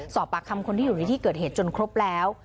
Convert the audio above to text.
สอบปากคำคนที่อยู่ในที่เกิดเหตุจนครบแล้ว